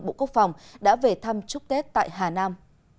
bộ quốc phòng đã về thăm chúc tết tại hà nam